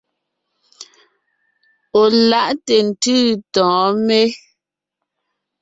Ɔ̀ láʼ ntʉ̀ntʉ́ tɔ̌ɔn mé?